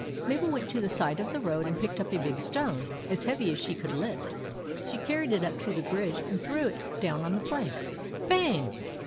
Mabel went to the side of the road and picked up a big stone, as heavy as she could lift. She carried it up to the bridge and threw it down on the planks — bang